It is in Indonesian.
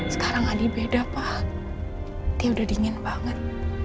sekarang adik beda pak dia udah dingin banget